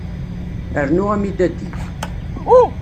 Rnu amidadi.